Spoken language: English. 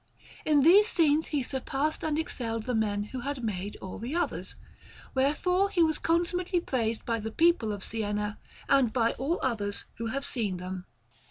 In these scenes he surpassed and excelled the men who had made the others; wherefore he was consummately praised by the people of Siena, and by all others who have seen them.